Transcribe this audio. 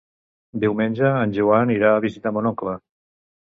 Diumenge en Joan irà a visitar mon oncle.